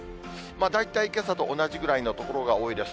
大体けさと同じぐらいの所が多いです。